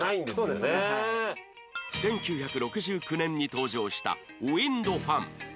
１９６９年に登場したウインドファン